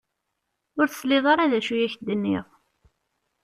Ur tesliḍ ara d acu i ak-d-nniɣ.